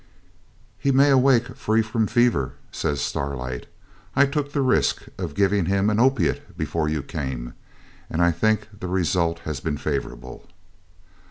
'He may awake free from fever,' says Starlight. 'I took the risk of giving him an opiate before you came, and I think the result has been favourable.'